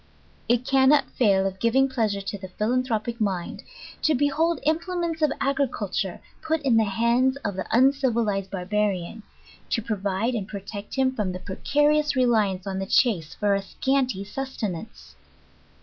It cannot fail of gmn^ pleasure to the philanthropic mind, to behold implements of agriculture put in the hands of the uncivilized barbarian, to provide and protect him from the precarious reliance on the chase for a scanty sustenance.